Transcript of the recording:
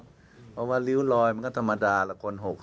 เพราะว่าริ้วลอยมันก็ธรรมดาละคน๖